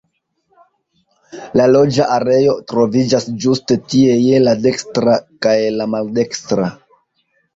La loĝa areoj troviĝas ĝuste tie je la dekstra kaj la maldekstra.